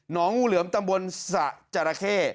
งูเหลือมตำบลสระจราเข้